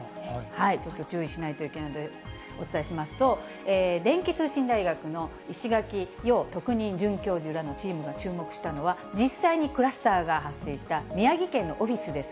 ちょっと注意しないといけないので、お伝えしますと、電気通信大学の石垣陽特任准教授らのチームが注目したのは、実際にクラスターが発生した宮城県のオフィスです。